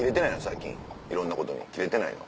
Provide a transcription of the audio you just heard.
最近いろんなことにキレてないの？